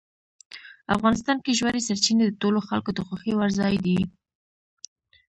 افغانستان کې ژورې سرچینې د ټولو خلکو د خوښې وړ یو ځای دی.